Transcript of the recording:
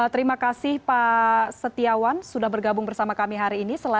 terima kasih pak setiawan sudah bergabung bersama kami hari ini